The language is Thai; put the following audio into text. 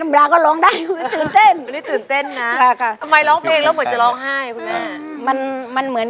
ไม่ได้ร้องอีกเลย